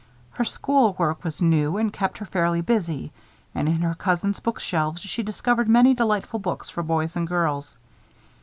Her school work was new and kept her fairly busy, and in her cousins' bookshelves she discovered many delightful books for boys and girls.